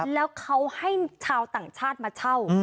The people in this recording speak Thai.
แล้วเขาให้ชาวต่างชาติมาเช่า